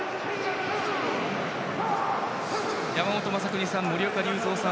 山本昌邦さん、森岡隆三さん